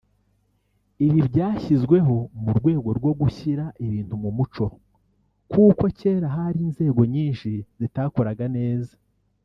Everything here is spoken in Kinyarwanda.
Ibi byashyizweho mu rwego rwo gushyira ibintu mu muco kuko kera hari inzego nyinshi zitakoraga neza